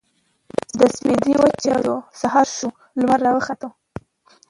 د سپـېدې وچـاودې سـهار شـو لمـر راوخـت.